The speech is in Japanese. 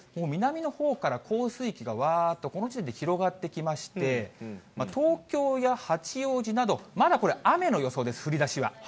南のほうから降水域が、わーっと降水域が広がってきまして、東京や八王子など、まだこれ雨の予想です、降りだしは。